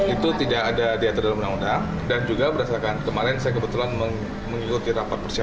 itu tidak ada diatur dalam undang undang dan juga berdasarkan kemarin saya kebetulan mengikuti rapat persiapan